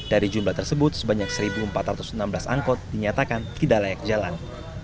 dari jumlah tersebut sebanyak satu empat ratus enam belas angkot dinyatakan tidak layak jalan